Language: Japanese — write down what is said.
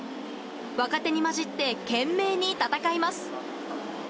若手に交じって、懸命に戦います。